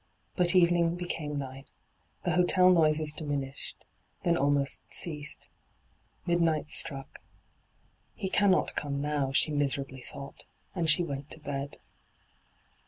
But evening becfune night. The hotel noises diminished, then almost ceased. Midnight struck. * He cannot come now,* she miserably thought ; and she went to bed.